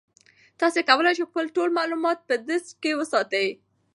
تاسي کولای شئ خپل ټول معلومات په ډیسک کې وساتئ.